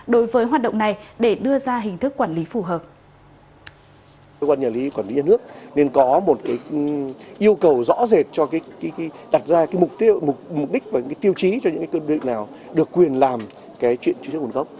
đối với hoạt động này để đưa ra hình thức quản lý phù hợp